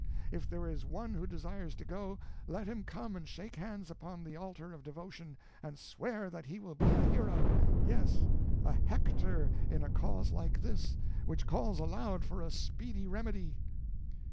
If there is one who desires to go, let him come and shake hands upon the altar of devotion, and swear that he will be a hero; yes, a Hector in a cause like this, which calls aloud for a speedy remedy."